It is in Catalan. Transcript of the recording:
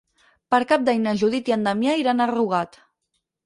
Per Cap d'Any na Judit i en Damià iran a Rugat.